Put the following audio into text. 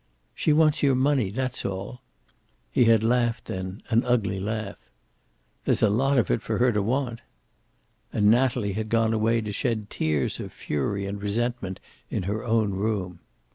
"She wants your money. That's all." He had laughed then, an ugly laugh. "There's a lot of it for her to want." And Natalie had gone away to shed tears of fury and resentment in her own room.